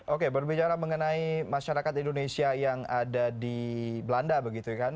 oke berbicara mengenai masyarakat indonesia yang ada di belanda begitu ya